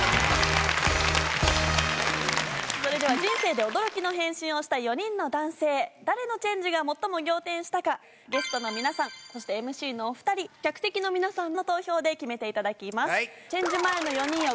それでは人生で驚きの変身をした４人の男性誰のチェンジが最も仰天したかゲストの皆さんそしてＭＣのお２人客席の皆さんの投票で決めていただきます。